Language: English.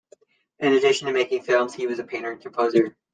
In addition to making films, he was a painter and composer.